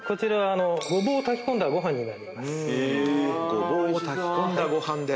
ごぼうを炊き込んだご飯です。